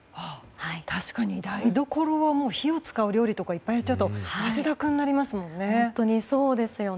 確かに台所は火を使う料理とかいっぱいやっちゃうと汗だくになりますもんね。